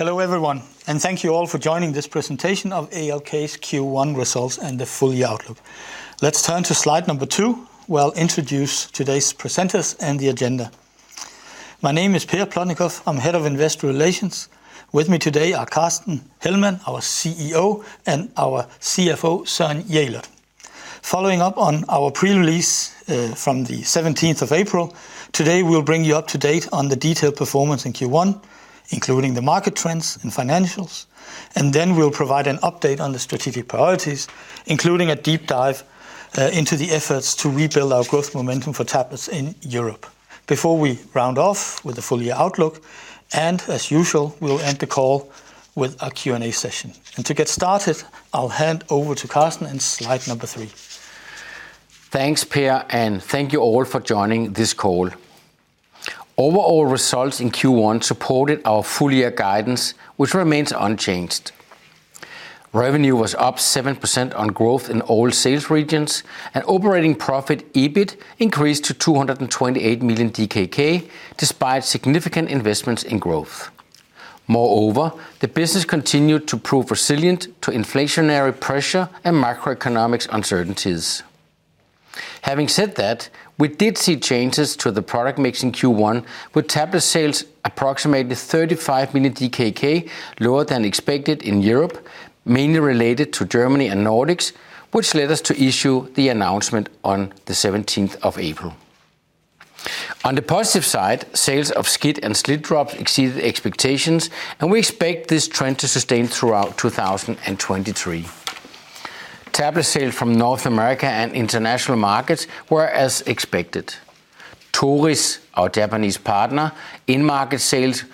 Hello everyone, thank you all for joining this presentation of ALK's Q1 results and the full year outlook. Let's turn to slide two, where I'll introduce today's presenters and the agenda. My name is Per Plotnikof, I'm Head of Investor Relations. With me today are Carsten Hellmann, our CEO, and our CFO, Søren Jelert. Following up on our pre-release from April 17th, today we'll bring you up to date on the detailed performance in Q1, including the market trends and financials. Then we'll provide an update on the strategic priorities, including a deep dive into the efforts to rebuild our growth momentum for tablets in Europe. Before we round off with the full year outlook, and as usual, we'll end the call with a Q&A session. To get started, I'll hand over to Carsten on slide three. Thanks, Per, and thank you all for joining this call. Overall results in Q1 supported our full-year guidance, which remains unchanged. Revenue was up 7% on growth in all sales regions, and operating profit, EBIT, increased to 228 million DKK, despite significant investments in growth. The business continued to prove resilient to inflationary pressure and macroeconomic uncertainties. Having said that, we did see changes to the product mix in Q1, with tablet sales approximately 35 million DKK lower than expected in Europe, mainly related to Germany and Nordics, which led us to issue the announcement on April 17th. On the positive side, sales of SCIT and SLIT-drops exceeded expectations, and we expect this trend to sustain throughout 2023. Tablet sales from North America and international markets were as expected. Torii, our Japanese partner, in-market sales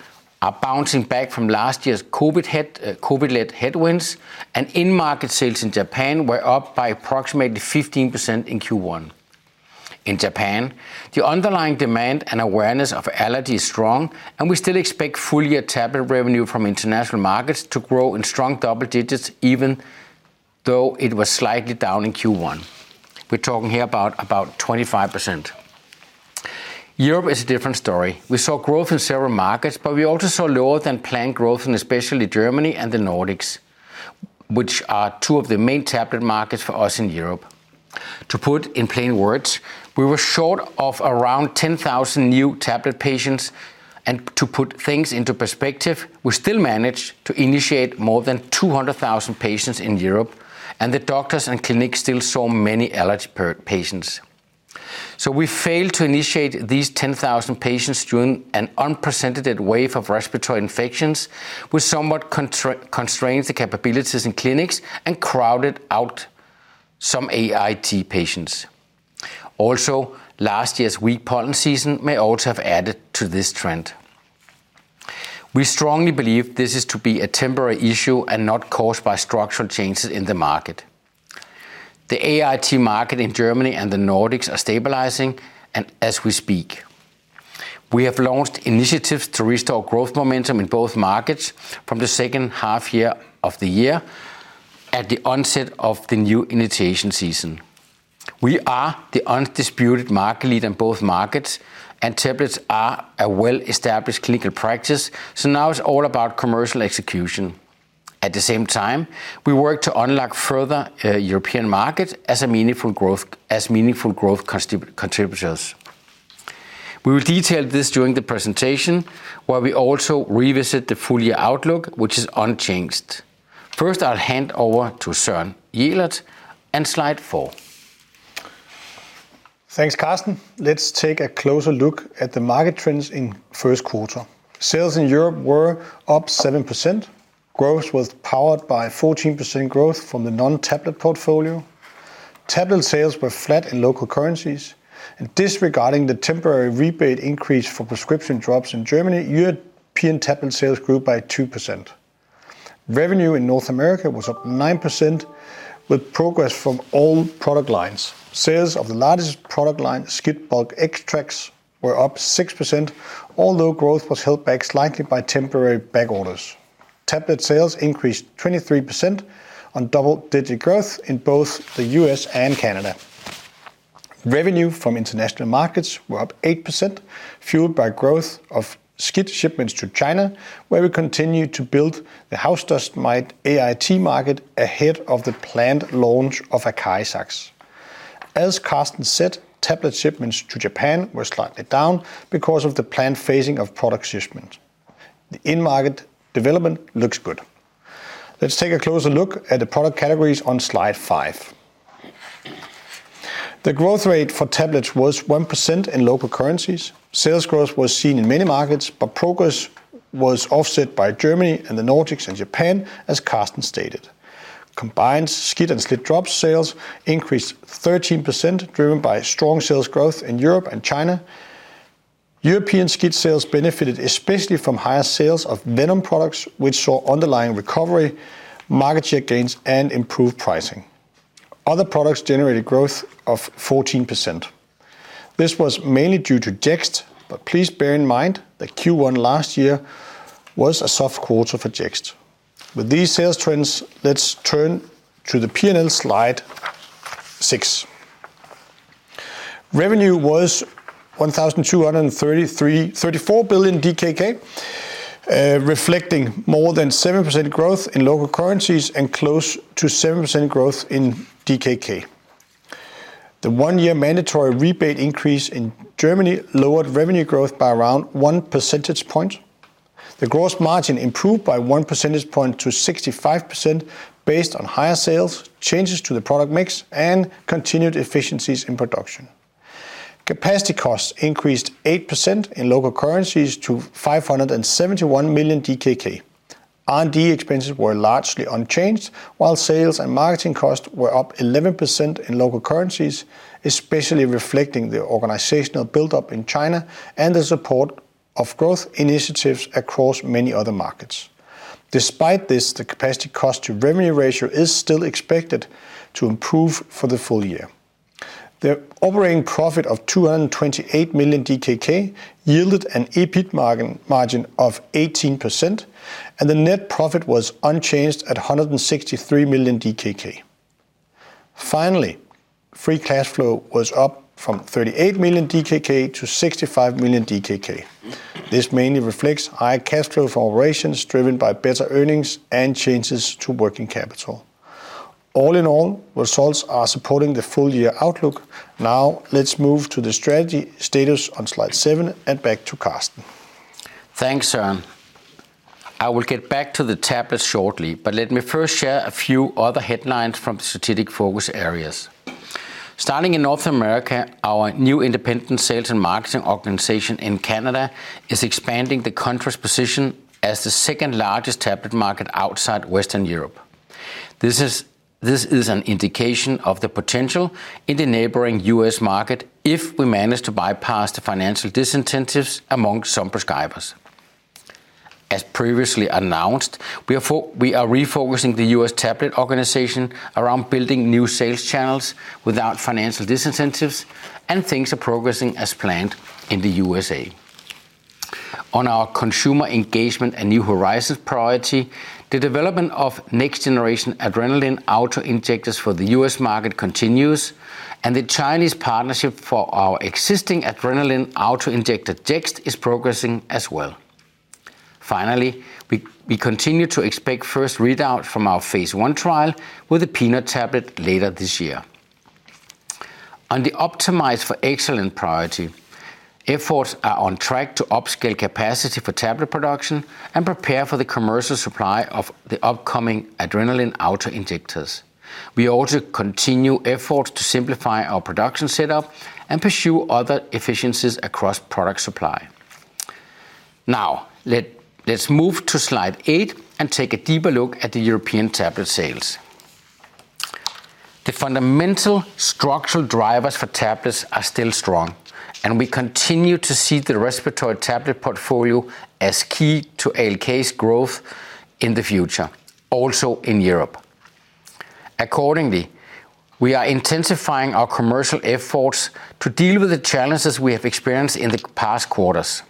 are bouncing back from last year's COVID-led headwinds, and in-market sales in Japan were up by approximately 15% in Q1. In Japan, the underlying demand and awareness of allergy is strong. We still expect full-year tablet revenue from international markets to grow in strong double-digits, even though it was slightly down in Q1. We're talking here about 25%. Europe is a different story. We also saw lower than planned growth in especially Germany and the Nordics, which are two of the main tablet markets for us in Europe. To put it in plain words, we were short of around 10,000 new tablet patients. To put things into perspective, we still managed to initiate more than 200,000 patients in Europe, and the doctors and clinics still saw many allergy patients. We failed to initiate these 10,000 patients during an unprecedented wave of respiratory infections, which somewhat constrained the capabilities in clinics and crowded out some AIT patients. Also, last year's weak pollen season may also have added to this trend. We strongly believe this is to be a temporary issue and not caused by structural changes in the market. The AIT market in Germany and the Nordics are stabilizing as we speak. We have launched initiatives to restore growth momentum in both markets from the second half of the year at the onset of the new initiation season. We are the undisputed market leader in both markets, and tablets are a well-established clinical practice, so now it's all about commercial execution. At the same time, we work to unlock further European markets as meaningful growth contributors. We will detail this during the presentation, where we also revisit the full-year outlook, which is unchanged. First, I'll hand over to Søren Jelert on slide four. Thanks, Carsten. Let's take a closer look at the market trends in the first quarter. Sales in Europe were up 7%. Growth was powered by 14% growth from the non-tablet portfolio. Tablet sales were flat in local currencies. Disregarding the temporary rebate increase for prescription drops in Germany, European tablet sales grew by 2%. Revenue in North America was up 9%, with progress from all product lines. Sales of the largest product line, SCIT bulk extracts, were up 6%, although growth was held back slightly by temporary back orders. Tablet sales increased 23% on double-digit growth in both the US and Canada. Revenue from international markets was up 8%, fueled by growth of SCIT shipments to China, where we continue to build the house dust mite AIT market ahead of the planned launch of ACARIZAX. As Carsten said, tablet shipments to Japan were slightly down because of the planned phasing of product shipments. The in-market development looks good. Let's take a closer look at the product categories on slide five. The growth rate for tablets was 1% in local currencies. Sales growth was seen in many markets, but progress was offset by Germany, the Nordics, and Japan, as Carsten stated. Combined SCIT and SLIT-drop sales increased 13%, driven by strong sales growth in Europe and China. European SCIT sales benefited especially from higher sales of venom products, which saw underlying recovery, market share gains, and improved pricing. Other products generated growth of 14%. This was mainly due to JEXT, but please bear in mind that Q1 last year was a soft quarter for JEXT. With these sales trends, let's turn to the P&L slide six. Revenue was 1,234 million DKK, reflecting more than 7% growth in local currencies and close to 7% growth in DKK. The one-year mandatory rebate increase in Germany lowered revenue growth by around one percentage point. The gross margin improved by one percentage point to 65% based on higher sales, changes to the product mix, and continued efficiencies in production. Capacity costs increased 8% in local currencies to 571 million DKK. R&D expenses were largely unchanged, while sales and marketing costs were up 11% in local currencies, especially reflecting the organizational buildup in China and the support of growth initiatives across many other markets. Despite this, the capacity cost to revenue ratio is still expected to improve for the full year. The operating profit of 228 million DKK yielded an EBIT margin of 18%. The net profit was unchanged at 163 million DKK. Finally, free cash flow was up from 38 million DKK to 65 million DKK. This mainly reflects high cash flow from operations driven by better earnings and changes to working capital. All in all, the results are support the full-year outlook. Let's move to the strategy status on slide seven and back to Carsten. Thanks, Søren. I will get back to the tablet shortly, but let me first share a few other headlines from the strategic focus areas. Starting in North America, our new independent sales and marketing organization in Canada is expanding the country's position as the second-largest tablet market outside Western Europe. This is an indication of the potential in the neighboring U.S. market if we manage to bypass the financial disincentives among some prescribers. As previously announced, we are refocusing the U.S. tablet organization around building new sales channels without financial disincentives, and things are progressing as planned in the U.S.A. On our consumer engagement and new horizons priority, the development of next-generation adrenaline auto-injectors for the U.S. market continues, and the Chinese partnership for our existing adrenaline auto-injector JEXT is progressing as well. Finally, we continue to expect the first readout from our phase I trial with a peanut tablet later this year. On the optimize for excellent priority, efforts are on track to upscale capacity for tablet production and prepare for the commercial supply of the upcoming adrenaline auto-injectors. We also continue efforts to simplify our production setup and pursue other efficiencies across product supply. Now, let's move to slide eight and take a deeper look at the European tablet sales. The fundamental structural drivers for tablets are still strong, and we continue to see the respiratory tablet portfolio as key to ALK's growth in the future, also in Europe. Accordingly, we are intensifying our commercial efforts to deal with the challenges we have experienced in the past quarters.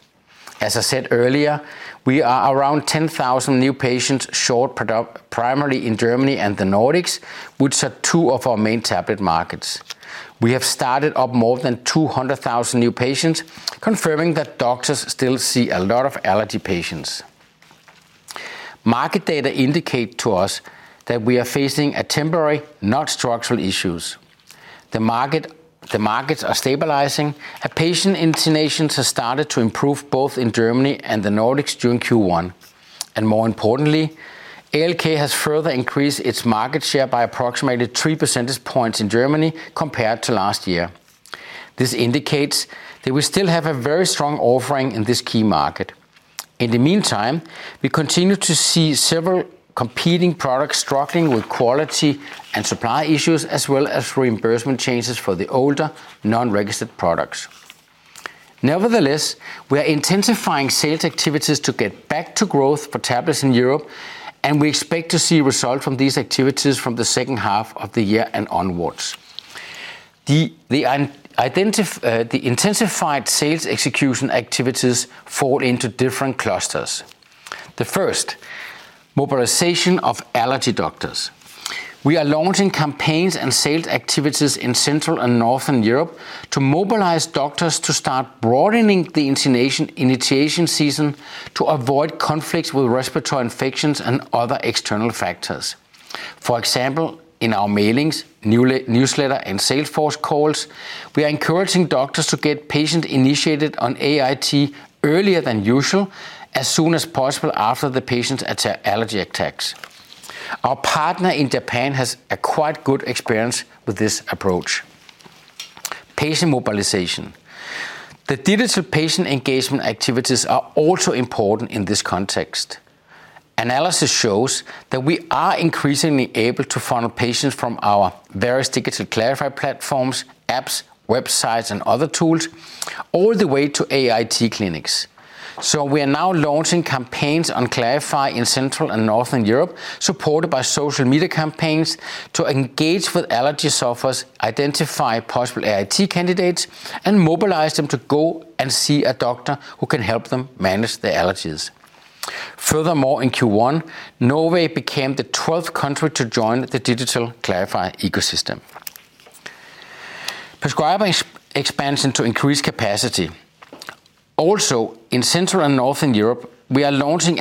As I said earlier, we are around 10,000 new patients short, primarily in Germany and the Nordics, which are two of our main tablet markets. We have started up more than 200,000 new patients, confirming that doctors still see a lot of allergy patients. Market data indicate to us that we are facing temporary, not structural, issues. The markets are stabilizing. Patient intonations have started to improve both in Germany and the Nordics during Q1. More importantly, ALK has further increased its market share by approximately three percentage points in Germany compared to last year. This indicates that we still have a very strong offering in this key market. In the meantime, we continue to see several competing products struggling with quality and supply issues, as well as reimbursement changes for the older non-registered products. Nevertheless, we are intensifying sales activities to get back to growth for tablets in Europe, and we expect to see results from these activities from the second half of the year and onwards. The intensified sales execution activities fall into different clusters. The first, mobilization of allergy doctors. We are launching campaigns and sales activities in Central and Northern Europe to mobilize doctors to start broadening the initiation season to avoid conflicts with respiratory infections and other external factors. For example, in our mailings, newsletters, and sales force calls, we are encouraging doctors to get patients initiated on AIT earlier than usual, as soon as possible after the patient's allergy attacks. Our partner in Japan has quite a good experience with this approach. Patient mobilization. The digital patient engagement activities are also important in this context. Analysis shows that we are increasingly able to funnel patients from our various digital klarify platforms, apps, websites, and other tools all the way to AIT clinics. We are now launching campaigns on klarify in Central and Northern Europe, supported by social media campaigns to engage with allergy sufferers, identify possible AIT candidates, and mobilize them to go and see a doctor who can help them manage their allergies. Furthermore, in Q1, Norway became the 12th country to join the digital klarify ecosystem. Prescriber expansion to increase capacity. In Central and Northern Europe, we are launching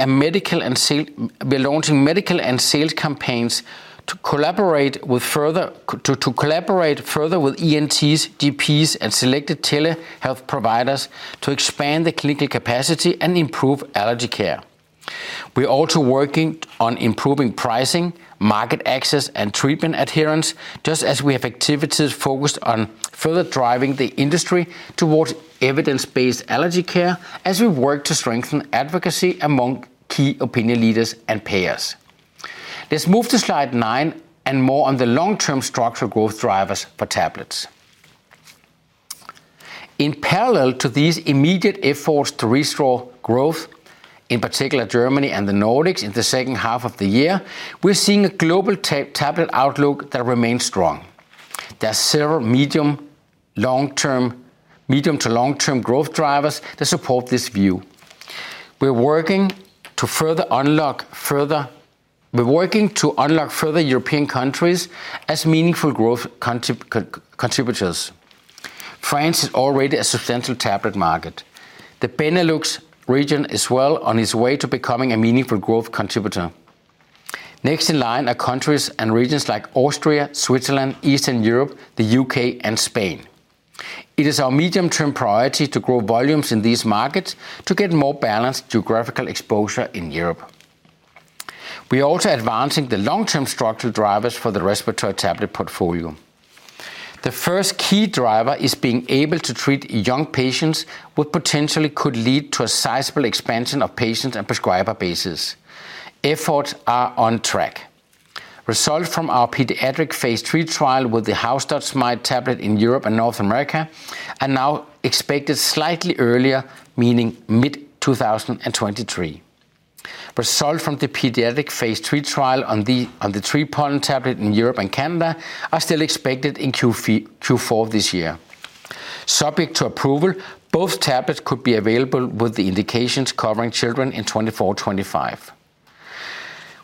medical and sales campaigns to collaborate further with ENTs, GPs, and selected telehealth providers to expand the clinical capacity and improve allergy care. We're also working on improving pricing, market access, and treatment adherence, just as we have activities focused on further driving the industry towards evidence-based allergy care as we work to strengthen advocacy among key opinion leaders and payers. Let's move to slide nine and more on the long-term structural growth drivers for tablets. In parallel to these immediate efforts to restore growth, in particular Germany and the Nordics in the second half of the year, we're seeing a global tablet outlook that remains strong. There are several medium to long-term growth drivers that support this view. We're working to unlock further European countries as meaningful growth contributors. France is already a substantial tablet market. The Benelux region is well on its way to becoming a meaningful growth contributor. Next in line are countries and regions like Austria, Switzerland, Eastern Europe, the U.K., and Spain. It is our medium-term priority to grow volumes in these markets to get more balanced geographical exposure in Europe. We are also advancing the long-term structural drivers for the respiratory tablet portfolio. The first key driver is being able to treat young patients what potentially could lead to a sizable expansion of patients and prescriber bases. Efforts are on track. Results from our pediatric phase III trial with the house dust mite tablet in Europe and North America are now expected slightly earlier, meaning mid 2023. Results from the pediatric phase III trial on the tree pollen tablet in Europe and Canada are still expected in Q4 this year. Subject to approval, both tablets could be available with the indications covering children in 2024 and 2025.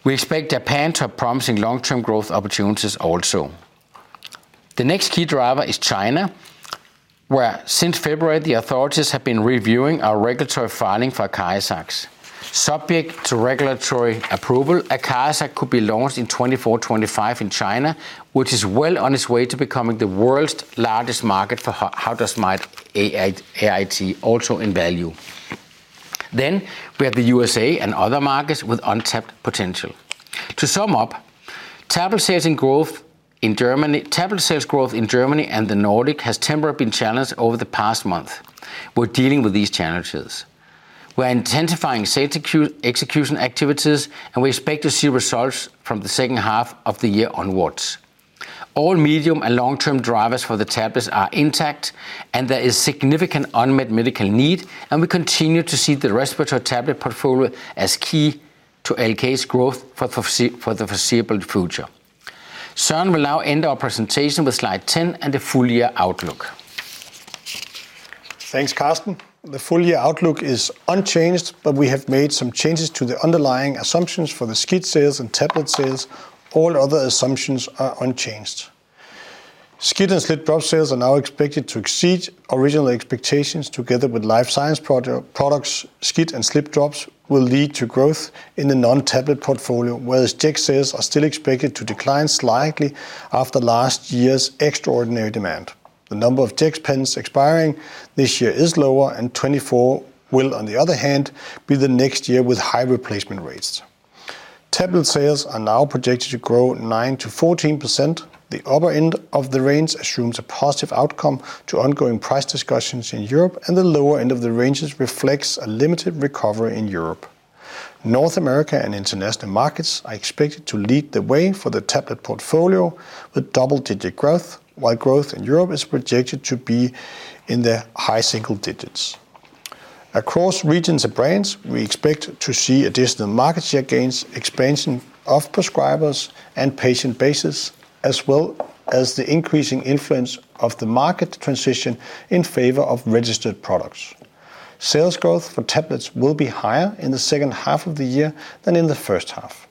We expect Japan to have promising long-term growth opportunities also. The next key driver is China, where, since February, the authorities have been reviewing our regulatory filing for ACARIZAX. Subject to regulatory approval, ACARIZAX could be launched in 2024, or 2025 in China, which is well on its way to becoming the world's largest market for house dust mite AIT, also in value. We have the U.S.A. and other markets with untapped potential. To sum up, tablet sales growth in Germany and the Nordic has temporarily been challenged over the past month. We're dealing with these challenges. We're intensifying sales execution activities, and we expect to see results from the second half of the year onwards. All medium and long-term drivers for the tablets are intact, and there is a significant unmet medical need, and we continue to see the respiratory tablet portfolio as key to ALK's growth for the foreseeable future. Søren will now end our presentation with slide 10 and the full-year outlook. Thanks, Carsten. The full year outlook is unchanged, we have made some changes to the underlying assumptions for the SCIT sales and tablet sales. All other assumptions are unchanged. SCIT and SLIT-drops sales are now expected to exceed original expectations, together with life science products. SCIT and SLIT-drops will lead to growth in the non-tablet portfolio, whereas JEXT sales are still expected to decline slightly after last year's extraordinary demand. The number of JEXT pens expiring this year is lower; 2024 will, on the other hand, be the next year with high replacement rates. Tablet sales are now projected to grow 9%-14%. The upper end of the range assumes a positive outcome to ongoing price discussions in Europe, and the lower end of the ranges reflects a limited recovery in Europe. North America and international markets are expected to lead the way for the tablet portfolio with double-digit growth, while growth in Europe is projected to be in the high single digits. Across regions and brands, we expect to see additional market share gains, expansion of prescribers and patient bases, as well as the increasing influence of the market transition in favor of registered products. Sales growth for tablets will be higher in the second half of the year than in the first half.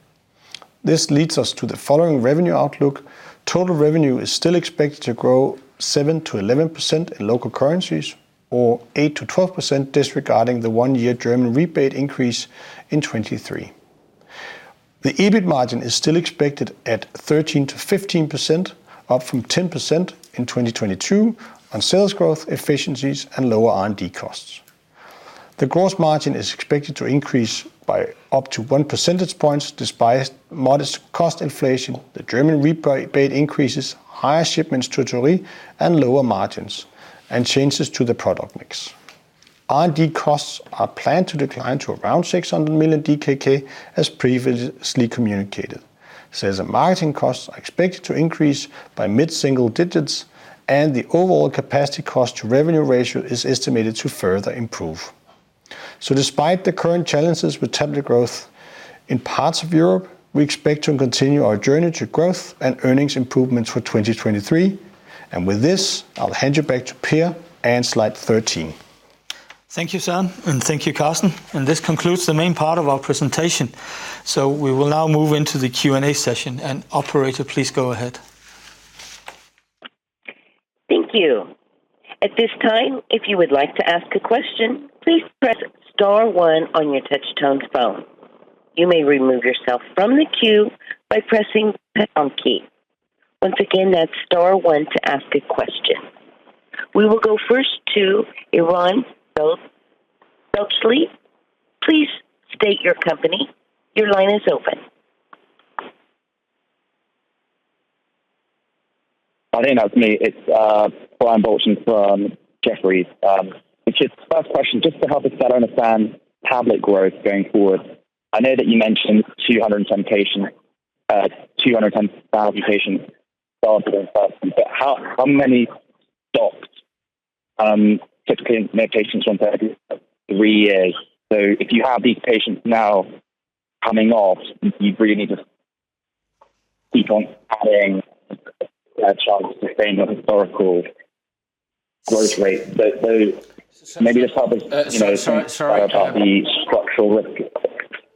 This leads us to the following revenue outlook. Total revenue is still expected to grow 7%-11% in local currencies, or 8%-12% disregarding the one-year German rebate increase in 2023. The EBIT margin is still expected at 13%-15%, up from 10% in 2022 on sales growth, efficiencies, and lower R&D costs. The gross margin is expected to increase by up to one percentage points despite modest cost inflation, the German rebate increases, higher shipments to Italy, and lower margins, and changes to the product mix. R&D costs are planned to decline to around 600 million DKK, as previously communicated. Sales and marketing costs are expected to increase by mid-single digits, the overall capacity cost to revenue ratio is estimated to further improve. Despite the current challenges with tablet growth. In parts of Europe, we expect to continue our journey to growth and earnings improvements for 2023. With this, I'll hand you back to Per and slide 13. Thank you, Søren, and thank you, Carsten. This concludes the main part of our presentation. We will now move into the Q&A session. Operator, please go ahead. Thank you. At this time, if you would like to ask a question, please press star one on your touch-tone phone. You may remove yourself from the queue by pressing the pound key. Once again, that's star one to ask a question. We will go first to Ben Jackson. Please state your company. Your line is open. I think that's me. It's Ben Jackson from Jefferies. Just the first question, just to help us better understand tablet growth going forward. I know that you mentioned 210 patients, 210,000 patients started in person, but how many stopped, typically after medications for 33 years. If you have these patients now coming off, you really need to keep on adding a chance to sustain the historical growth rate. Maybe just help us, you know, some of the structural risk.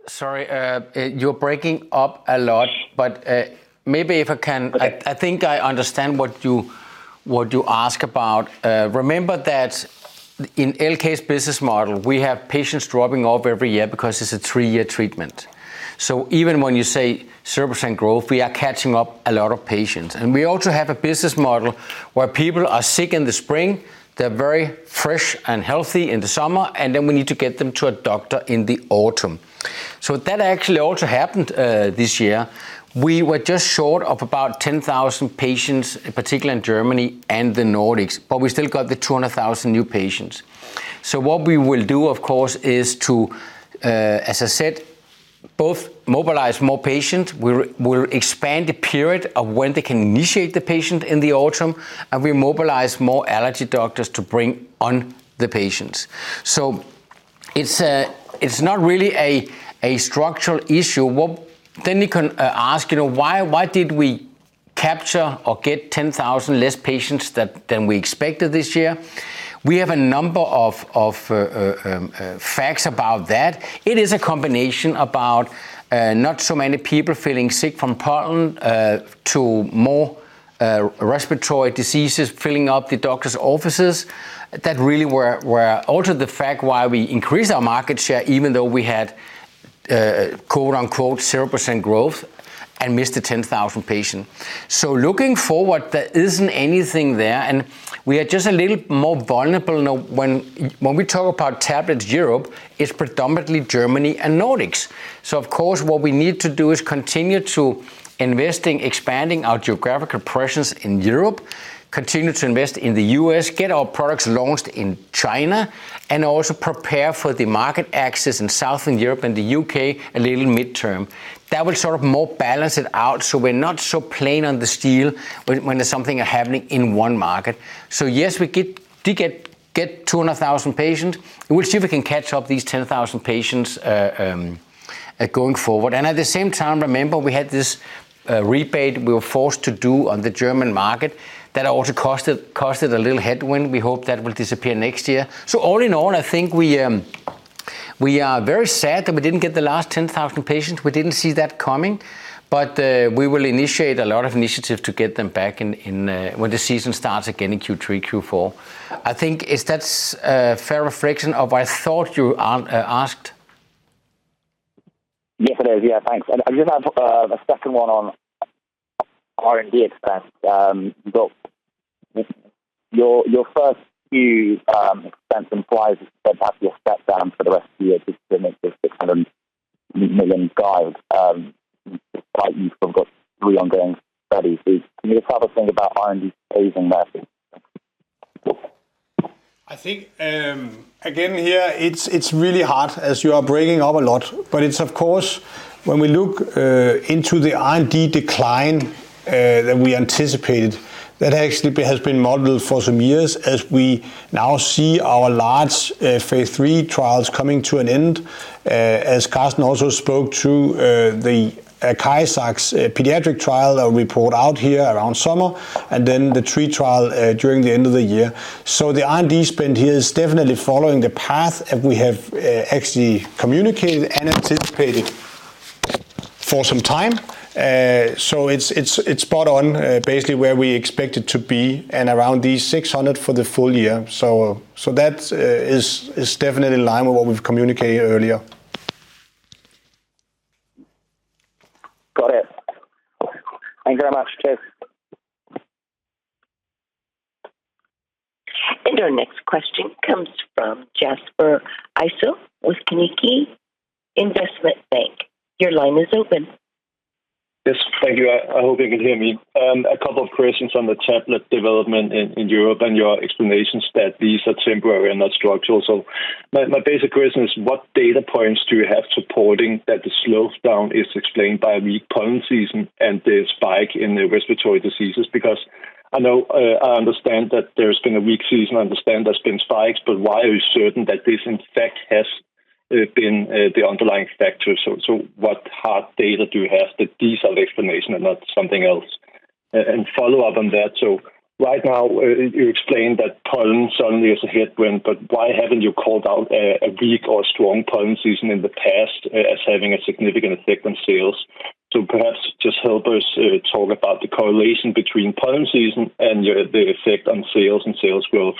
Sorry, you're breaking up a lot. Maybe if I can... I think I understand what you ask about. Remember that in ALK's business model, we have patients dropping off every year because it's a three-year treatment. Even when you say service and growth, we are catching up a lot of patients. We also have a business model where people are sick in the spring, they're very fresh and healthy in the summer, then we need to get them to a doctor in the autumn. That actually also happened this year. We were just short of about 10,000 patients, particularly in Germany and the Nordics, but we still got the 200,000 new patients. What we will do, of course, is to, as I said, both mobilize more patients. We'll expand the period of when they can initiate the patient in the autumn, and we'll mobilize more allergy doctors to bring on the patients. It's not really a structural issue. Then you can ask, you know, why did we capture or get 10,000 less patients than we expected this year? We have a number of facts about that. It is a combination about not so many people feeling sick from pollen, to more respiratory diseases filling up the doctor's offices that really were also the fact why we increased our market share, even though we had quote-unquote, "0% growth" and missed the 10,000 patients. Looking forward, there isn't anything there. We are just a little more vulnerable now when we talk about tablets, Europe is predominantly Germany and Nordics. Of course, what we need to do is continue to investing, expanding our geographic oppressions in Europe, continue to invest in the U.S., get our products launched in China, and also prepare for the market access in Southern Europe and the U.K. a little midterm. That will sort of more balance it out, so we're not so plain on the steel when there's something happening in one market. Yes, we did get 200,000 patients. We'll see if we can catch up these 10,000 patients going forward. At the same time, remember, we had this rebate we were forced to do on the German market that also cost a little headwind. We hope that will disappear next year. All in all, I think we are very sad that we didn't get the last 10,000 patients. We didn't see that coming. We will initiate a lot of initiatives to get them back in when the season starts again in Q3, Q4. I think is that's a fair reflection of I thought you asked. Yes, it is. Yeah, thanks. I just have a second one on R&D expense. Your first few expense implies that perhaps you're stepped down for the rest of the year to submit the 600 million guide, despite you've sort of got three ongoing studies. Can you just have a think about the R&D phase in that? I think, again, here it's really hard as you are breaking up a lot. It's of course, when we look into the R&D decline that we anticipated, that actually has been modeled for some years, as we now see our large phase III trials coming to an end. As Carsten also spoke to, the ACARIZAX pediatric trial report out here around summer, and then the three trial during the end of the year. The R&D spend here is definitely following the path that we have actually communicated and anticipated for some time. It's, it's spot on basically where we expect it to be and around 600 for the full year. That is definitely in line with what we've communicated earlier. Got it. Thank you very much. Cheers. Our next question comes from Jesper Ilsøe with Carnegie Investment Bank. Your line is open. Yes. Thank you. I hope you can hear me. A couple of questions on the tablet development in Europe and your explanations that these are temporary and not structural. My basic question is, what data points do you have supporting that the slowdown is explained by weak pollen season and the spike in the respiratory diseases? Because I know, I understand that there's been a weak season, I understand there's been spikes, but why are you certain that this in fact has been the underlying factor? What hard data do you have that these are the explanation and not something else? Follow up on that, right now, you explained that pollen suddenly is a headwind, but why haven't you called out a weak or strong pollen season in the past as having a significant effect on sales? Perhaps just help us talk about the correlation between pollen season and the effect on sales and sales growth.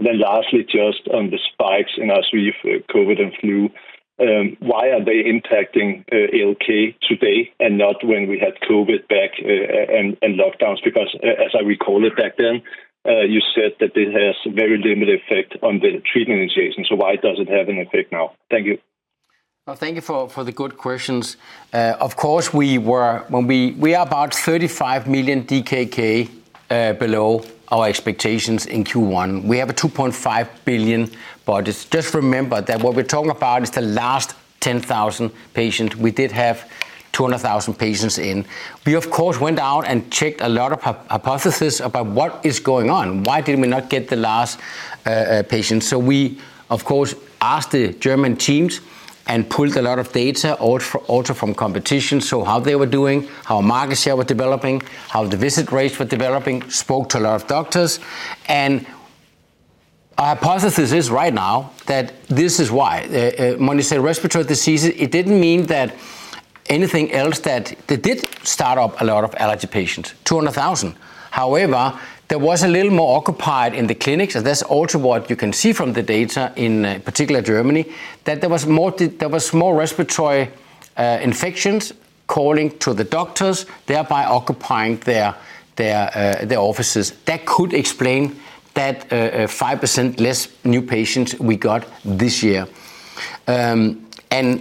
Lastly, just on the spikes in RSV, COVID, and flu, why are they impacting ALK today and not when we had COVID back and lockdowns? As I recall it back then, you said that it has very limited effect on the treatment initiation, so why does it have an effect now? Thank you. Well, thank you for the good questions. Of course, we are about 35 million DKK below our expectations in Q1. We have a 2.5 billion budget. Just remember that what we're talking about is the last 10,000 patients. We did have 200,000 patients in. We, of course, went out and checked a lot of hypothesis about what is going on. Why did we not get the last patients? We, of course, asked the German teams and pulled a lot of data, also from competition, so how they were doing, how our market share was developing, how the visit rates were developing, spoke to a lot of doctors. Our hypothesis is right now that this is why. When you say respiratory diseases, it didn't mean that anything else that... They did start up a lot of allergy patients, 200,000. However, there was a little more occupied in the clinics, and that's also what you can see from the data, in particular Germany, that there was more respiratory infections calling to the doctors, thereby occupying their, their offices. That could explain that 5% less new patients we got this year. You, you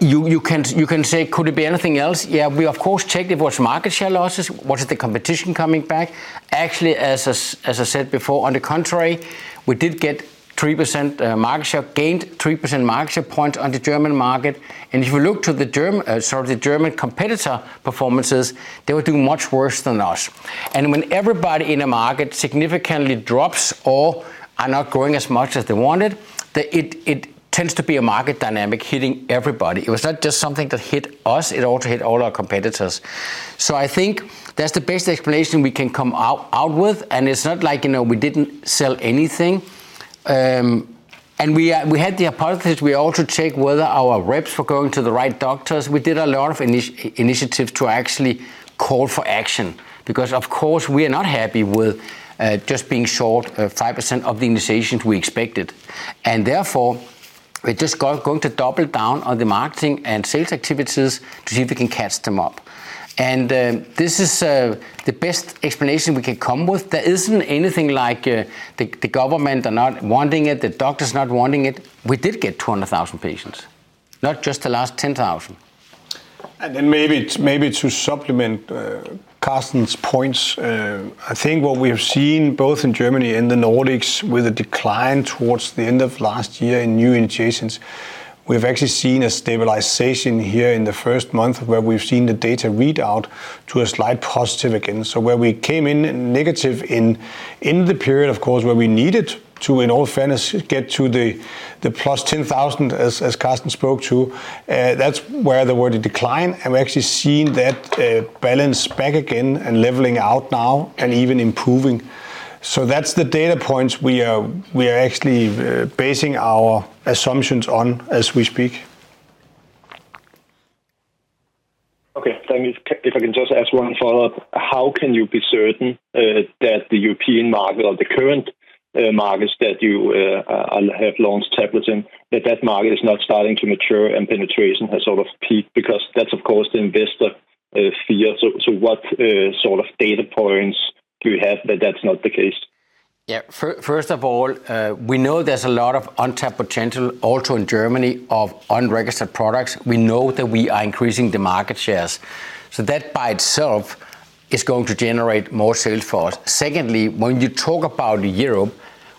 can, you can say, "Could it be anything else?" Yeah, we of course checked if it was market share losses. Was it the competition coming back? Actually, as I said before, on the contrary, we did get 3% market share, gained 3% market share points on the German market. If you look to the German competitor performances, they were doing much worse than us. When everybody in a market significantly drops or are not growing as much as they wanted, it tends to be a market dynamic hitting everybody. It was not just something that hit us, it also hit all our competitors. I think that's the best explanation we can come out with, and it's not like, you know, we didn't sell anything. We had the hypothesis, we also checked whether our reps were going to the right doctors. We did a lot of initiative to actually call for action because of course we are not happy with just being short of 5% of the initiations we expected. Therefore, we're just going to double down on the marketing and sales activities to see if we can catch them up. This is the best explanation we can come with. There isn't anything like, the government are not wanting it, the doctors not wanting it. We did get 200,000 patients, not just the last 10,000. Maybe, maybe to supplement Carsten's points, I think what we have seen both in Germany and the Nordics with a decline towards the end of last year in new initiations, we've actually seen a stabilization here in the first month where we've seen the data read out to a slight positive again. Where we came in negative in the period, of course, where we needed to, in all fairness, get to the plus 10,000 as Carsten spoke to, that's where there were the decline, and we're actually seeing that balance back again and leveling out now and even improving. That's the data points we are actually basing our assumptions on as we speak. Okay. If I can just ask one follow-up. How can you be certain that the European market or the current markets that you have launched tablets in, that market is now starting to mature and penetration has sort of peaked? Because that's of course the investor fear. What sort of data points do you have that that's not the case? Yeah. First of all, we know there's a lot of untapped potential also in Germany of unregistered products. We know that we are increasing the market shares. That by itself is going to generate more sales for us. Secondly, when you talk about Europe,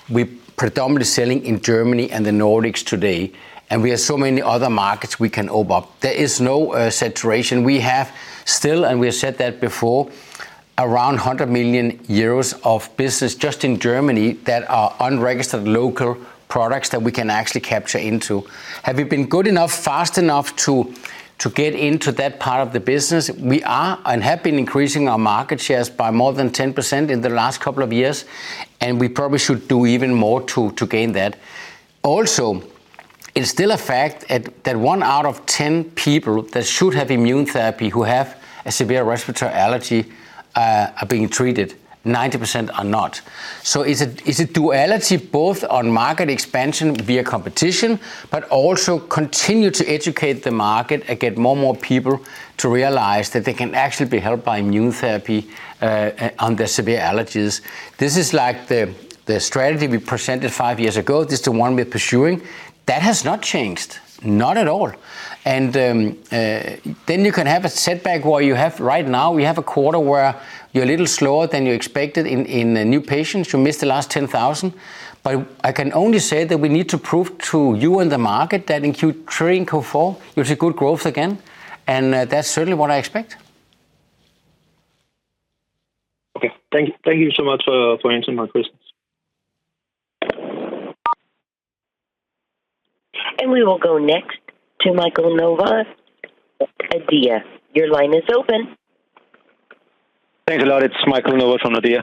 we're predominantly selling in Germany and the Nordics today. We have so many other markets we can open up. There is no saturation. We have still, and we have said that before, around 100 million euros of business just in Germany that are unregistered local products that we can actually capture into. Have we been good enough, fast enough to get into that part of the business? We are and have been increasing our market shares by more than 10% in the last couple of years, and we probably should do even more to gain that. It's still a fact that one out of 10 people that should have immune therapy who have a severe respiratory allergy are being treated. 90% are not. It's a, it's a duality both on market expansion via competition, but also continue to educate the market and get more and more people to realize that they can actually be helped by immune therapy on their severe allergies. This is like the strategy we presented five years ago. This is the one we're pursuing. That has not changed, not at all. Then you can have a setback where you have right now, we have a quarter where you're a little slower than you expected in, new patients. You missed the last 10,000. I can only say that we need to prove to you and the market that in Q3 and Q4, you'll see good growth again, and that's certainly what I expect. Okay. Thank you so much for answering my questions. We will go next to Michael Novod, Nordea. Your line is open. Thanks a lot. It's Michael Novod from Nordea.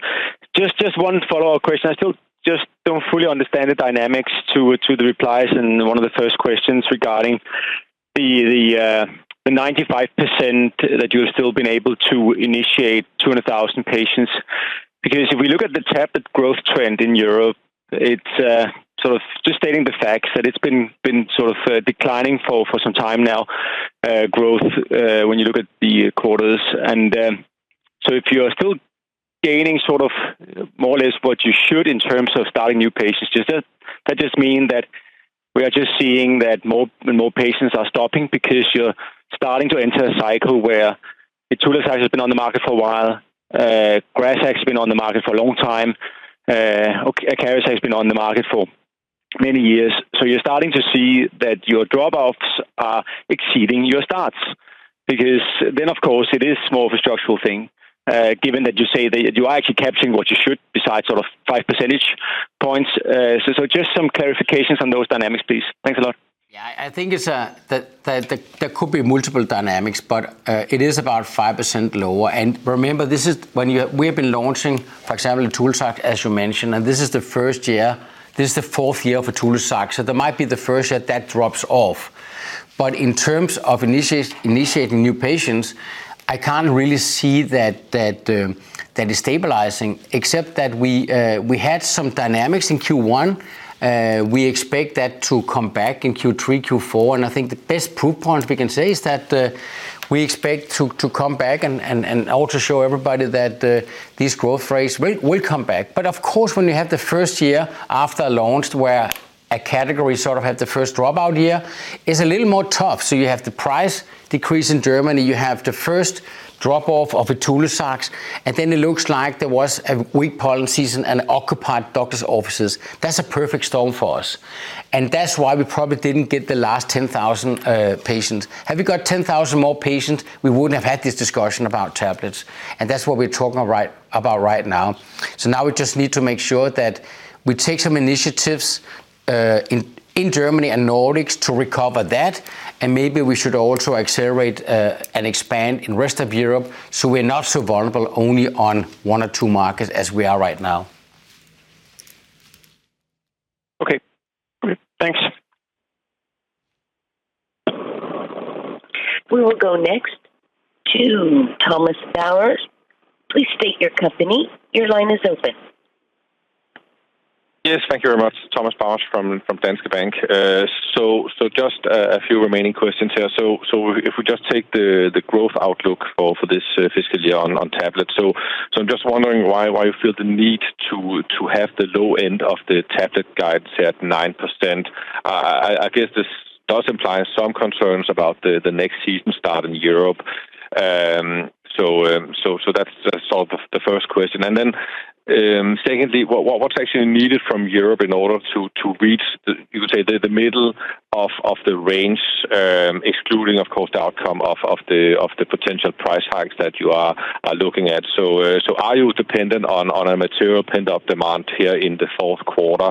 Just one follow-up question. I still just don't fully understand the dynamics to the replies in one of the first questions regarding the 95% that you've still been able to initiate 200,000 patients. Because if we look at the tablet growth trend in Europe, it's sort of just stating the facts that it's been sort of declining for some time now, growth, when you look at the quarters. If you're still gaining sort of more or less what you should in terms of starting new patients, does that just mean that we are just seeing that more and more patients are stopping because you're starting to enter a cycle where ITULAZAX has been on the market for a while, GRAZAX has been on the market for a long time, ACARIZAX has been on the market for many years? You're starting to see that your drop-offs are exceeding your starts. Then, of course, it is more of a structural thing, given that you say that you are actually capturing what you should besides sort of five percentage points. Just some clarifications on those dynamics, please. Thanks a lot. Yeah. I think it's that there could be multiple dynamics, but it is about 5% lower. Remember, this is when we have been launching, for example, ITULAZAX, as you mentioned, and this is the first year. This is the fourth year of ITULAZAX, so that might be the first year that drops off. In terms of initiating new patients, I can't really see that is stabilizing, except that we had some dynamics in Q1. We expect that to come back in Q3, Q4. I think the best proof point we can say is that we expect to come back and also show everybody that this growth rate will come back. Of course, when you have the first year after a launch where a category sort of had the first drop-out year, it's a little more tough. You have the price decrease in Germany, you have the first drop-off of ITULAZAX, and then it looks like there was a weak pollen season and occupied doctor's offices. That's a perfect storm for us. That's why we probably didn't get the last 10,000 patients. Had we got 10,000 more patients, we wouldn't have had this discussion about tablets, and that's what we're talking about right now. Now we just need to make sure that we take some initiatives in Germany and Nordics to recover that, and maybe we should also accelerate and expand in rest of Europe, so we're not so vulnerable only on one or two markets as we are right now. Okay. Thanks. We will go next to Thomas Bowers. Please state your company. Your line is open. Thank you very much. Thomas Bowers from Danske Bank. So just a few remaining questions here. So if we just take the growth outlook for this fiscal year on tablets. So I'm just wondering why you feel the need to have the low end of the tablet guide set 9%. I guess this does imply some concerns about the next season start in Europe. So that's sort of the first question. Secondly, what's actually needed from Europe in order to reach the, you could say, the middle of the range, excluding of course the outcome of the potential price hikes that you are looking at. Are you dependent on a material pent-up demand here in the fourth quarter?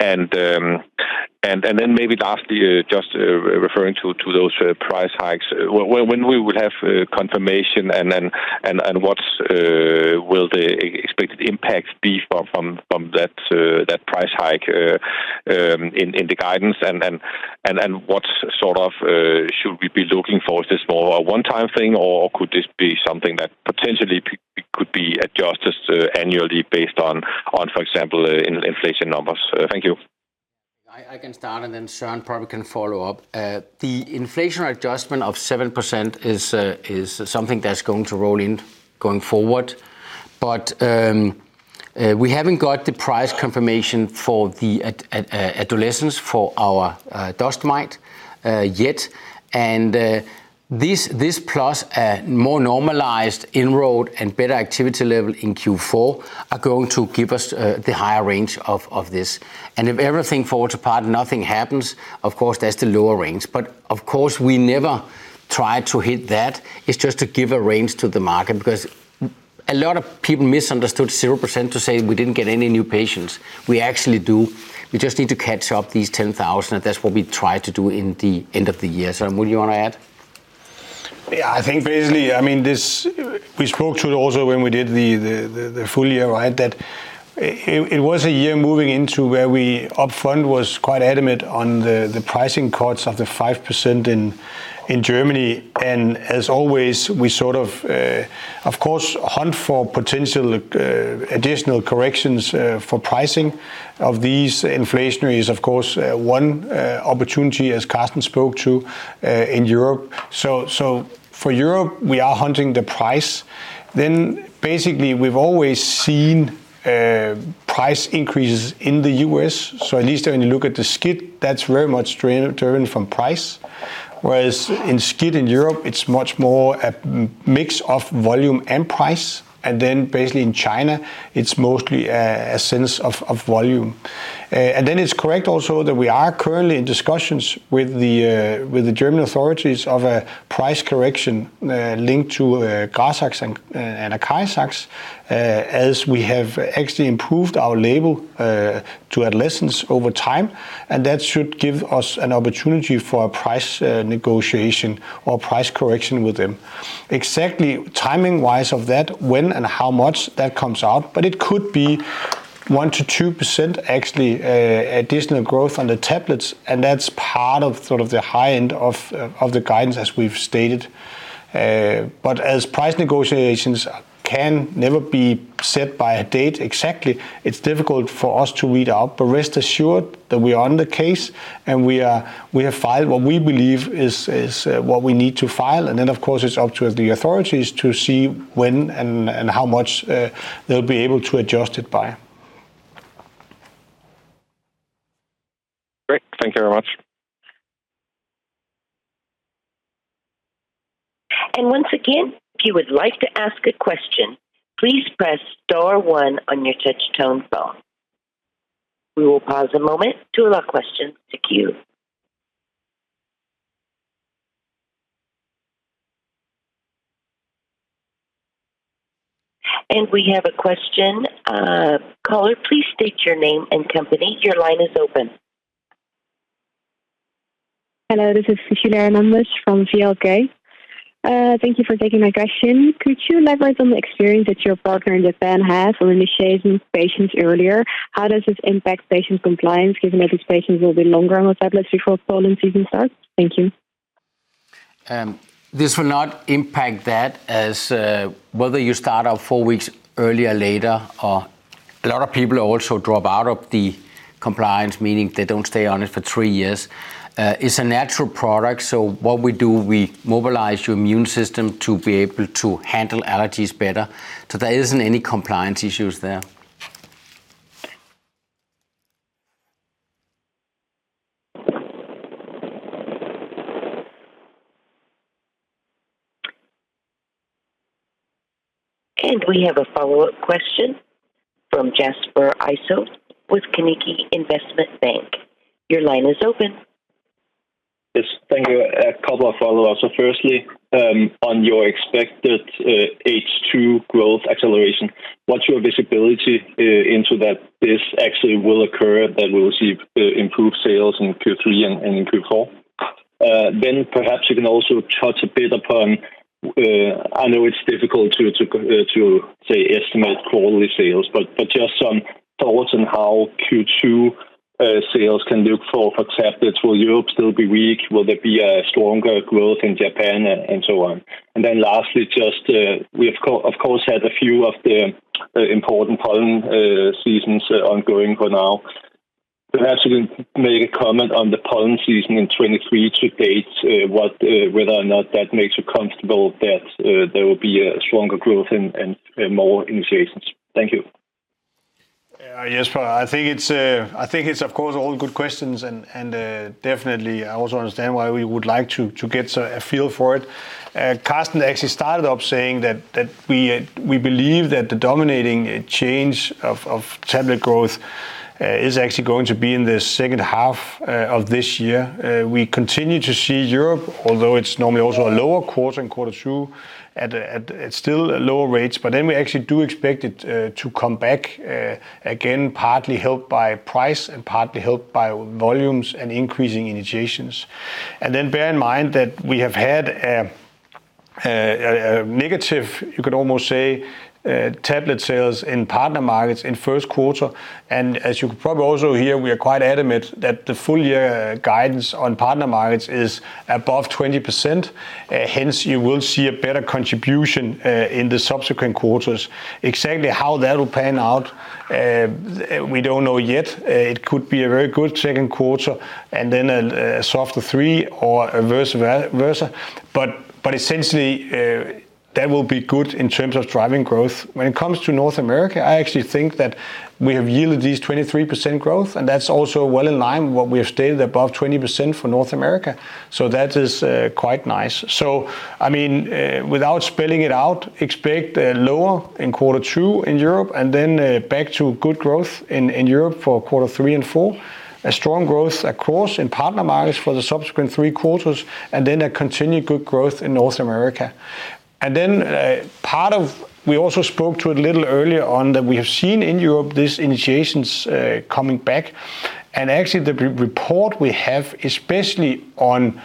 Then maybe lastly, just referring to those price hikes, when will we have confirmation and then what will the expected impact be from that price hike in the guidance? Then what sort of should we be looking for? Is this more a one-time thing, or could this be something that potentially could be adjusted annually based on, for example, in inflation numbers? Thank you. I can start and then Søren probably can follow up. The inflationary adjustment of 7% is something that's going to roll in going forward. We haven't got the price confirmation for the adolescence for our house dust mite yet. This, this plus a more normalized enrolled and better activity level in Q4 are going to give us the higher range of this. If everything falls apart, nothing happens; of course, that's the lower range. Of course, we never try to hit that. It's just to give a range to the market because a lot of people misunderstood 0% to say we didn't get any new patients. We actually do. We just need to catch up these 10,000, and that's what we try to do in the end of the year. Søren, would you want to add? Yeah. I think basically, I mean, we spoke to it also when we did the full year, right? That it was a year moving into where were up front was quite adamant on the pricing cuts of the 5% in Germany. As always, we sort of course, hunt for potential additional corrections for pricing of these inflationaries. Of course, one opportunity as Carsten spoke to in Europe. So for Europe, we are hunting the price. We've always seen price increases in the US. At least when you look at the SCIT, that's very much driven from price. Whereas in SCIT in Europe, it's much more a mix of volume and price. Basically, in China, it's mostly a sense of volume. Then it's also correct that we are currently in discussions with the German authorities of a price correction linked to GRAZAX and RAGWIZAX, as we have actually improved our label to adolescents over time, and that should give us an opportunity for a price negotiation or price correction with them. Exactly timing-wise of that, when and how much that comes out, but it could be 1%-2%, actually, additional growth on the tablets, and that's part of sort of the high end of the guidance as we've stated. As price negotiations can never be set by a date exactly, it's difficult for us to read out. Rest assured that we are on the case, and we have filed what we believe is what we need to file. Of course, it's up to the authorities to see when and how much, they'll be able to adjust it by. Great. Thank you very much. Once again, if you would like to ask a question, please press star one on your touch-tone phone. We will pause a moment to allow questions to queue. We have a question. Caller, please state your name and company. Your line is open. Hello. This is Sushila Hernandez from VLK. Thank you for taking my question. Could you elaborate on the experience that your partner in Japan has on initiating patients earlier? How does this impact patient compliance, given that these patients will be longer on the tablets before pollen season starts? Thank you. This will not impact that as, whether you start off four weeks earlier or later, or a lot of people also drop out of the compliance, meaning they don't stay on it for three years. It's a natural product, so what we do, we mobilize your immune system to be able to handle allergies better. There isn't any compliance issues there. We have a follow-up question from Jesper Ilsøe with Carnegie Investment Bank. Your line is open. Yes. Thank you. A couple of follow-ups. Firstly, on your expected H2 growth acceleration, what's your visibility into that this actually will occur, that we'll see improved sales in Q3 and in Q4? Perhaps you can also touch a bit upon, I know it's difficult to estimate quarterly sales, but just some thoughts on how Q2 sales can look for tablets. Will Europe still be weak? Will there be a stronger growth in Japan and so on? Lastly, we have of course, had a few of the important pollen seasons ongoing for now. Perhaps you can make a comment on the pollen season in 2023 to date, what...whether or not that makes you comfortable that there will be a stronger growth and more initiations. Thank you. Yes, well, I think it's of course all good questions, and definitely I also understand why we would like to get a feel for it. Carsten actually started off saying that we believe that the dominating change of tablet growth is actually going to be in the second half of this year. We continue to see Europe, although it's normally also a lower quarter in quarter two at still low rates, but then we actually do expect it to come back again, partly helped by price and partly helped by volumes and increasing initiations. Bear in mind that we have had a negative, you could almost say, tablet sales in partner markets in first quarter. As you could probably also hear, we are quite adamant that the full-year guidance on partner markets is above 20%. Hence, you will see a better contribution in the subsequent quarters. Exactly how that will pan out, we don't know yet. It could be a very good second quarter and then a softer three or vice versa. Essentially, that will be good in terms of driving growth. When it comes to North America, I actually think that we have yielded these 23% growth, and that's also well in line with what we have stated above 20% for North America. That is quite nice. I mean, without spelling it out, expect lower in quarter two in Europe and then back to good growth in Europe for quarter three and four. A strong growth, of course, in partner markets for the subsequent three quarters, a continued good growth in North America. We also spoke to a little earlier on that we have seen in Europe these initiations, coming back. Actually the re-report we have, especially on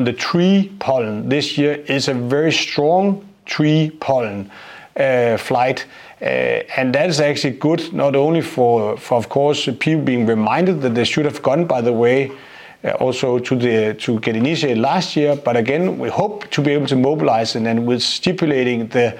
the tree pollen this year, is a very strong tree pollen, flight. That is actually good not only for, of course, people being reminded that they should have gone, by the way, also to get initiated last year. Again, we hope to be able to mobilize, and then with stipulating the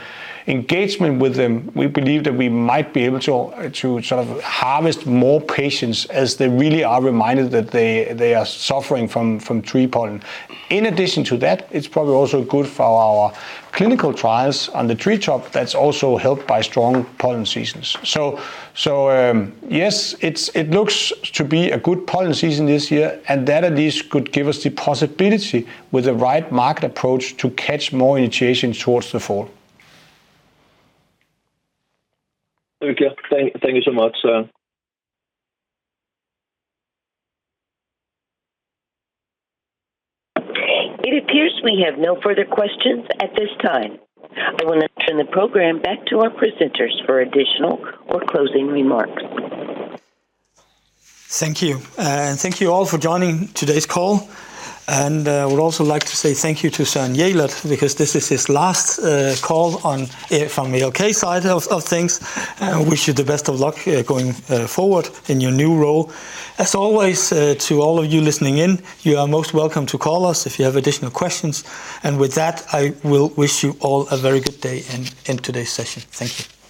engagement with them, we believe that we might be able to sort of harvest more patients as they really are reminded that they are suffering from tree pollen.In addition to that, it's probably also good for our clinical trials on the tree drop that's also helped by strong pollen seasons. Yes, it looks to be a good pollen season this year, and that at least could give us the possibility with the right market approach to catch more initiations towards the fall. Thank you. Thank you so much. It appears we have no further questions at this time. I want to turn the program back to our presenters for additional or closing remarks. Thank you. Thank you all for joining today's call. I would also like to say thank you to Søren Jelert because this is his last call on from the ALK side of things. Wish you the best of luck going forward in your new role. As always, to all of you listening in, you are most welcome to call us if you have additional questions. With that, I will wish you all a very good day and end today's session. Thank you.